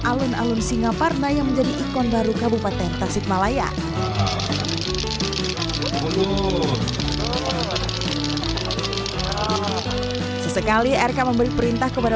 alun singaparta yang menjadi ikon baru kabupaten tasik malaya sesekali rk memberi perintah kepada